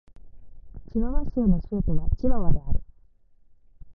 チワワ州の州都はチワワである